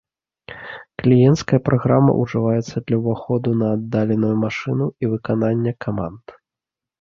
Кліенцкая праграма ўжываецца для ўваходу на аддаленую машыну і выканання каманд.